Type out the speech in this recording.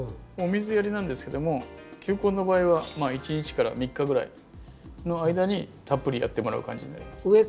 お水やりなんですけども球根の場合は１日から３日ぐらいの間にたっぷりやってもらう感じになります。